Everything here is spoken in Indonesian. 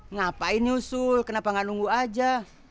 ngapain nyusul kenapa gak nunggu aja